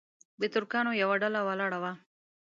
د ترکانو یوه ډله ولاړه وه.